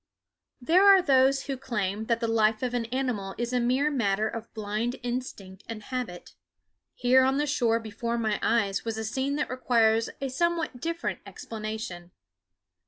There are those who claim that the life of an animal is a mere matter of blind instinct and habit. Here on the shore before my eyes was a scene that requires a somewhat different explanation.